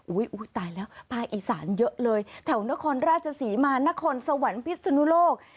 อุ้ยตายแล้วภาคอีสานเยอะเลยแถวนครราชศรีมานครสวรรค์พิศนุโลก